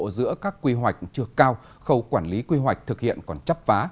giữa các quy hoạch chưa cao khâu quản lý quy hoạch thực hiện còn chấp phá